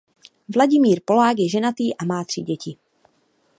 Vladimír Polák je ženatý a má tři děti.